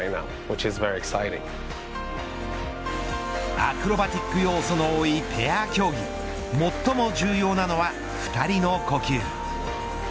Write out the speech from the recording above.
アクロバティック要素の多いペア競技最も重要なのは２人の呼吸。